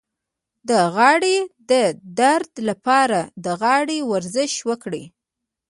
د غاړې د درد لپاره د غاړې ورزش وکړئ